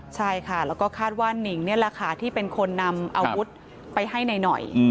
ใช่ค่ะแล้วก็คาดว่านิ่งนี่แหละค่ะที่เป็นคนนำอาวุธไปให้หน่อย